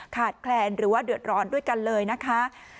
แคลนหรือว่าเดือดร้อนด้วยกันเลยนะคะ